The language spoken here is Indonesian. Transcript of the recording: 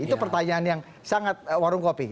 itu pertanyaan yang sangat warung kopi